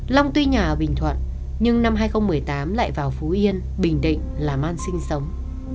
long tuy nhà ở bình thuận nhưng năm hai nghìn một mươi tám lại vào phú yên bình định làm ăn sinh sống